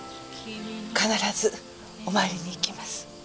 必ずお参りに行きます。